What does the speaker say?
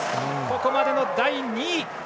ここまでの第２位。